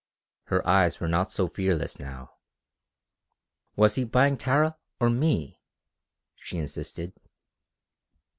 Her eyes were not so fearless now. "Was he buying Tara, or me?" she insisted.